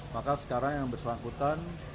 maka sekarang yang bersangkutan